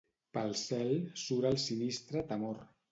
Pel cel sura el sinistre Temor.